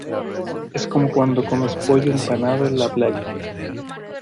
es como cuando comes pollo empanado en la playa.